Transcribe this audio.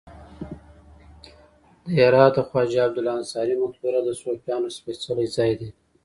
د هرات د خواجه عبدالله انصاري مقبره د صوفیانو سپیڅلی ځای دی